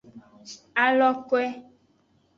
Alokwe.